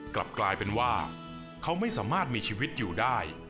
กลับกลายเป็นว่าเขาไม่สามารถมีชีวิตอยู่ได้